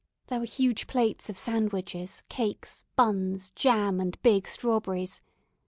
There were huge plates of sandwiches, cakes, buns, jam, and big strawberries.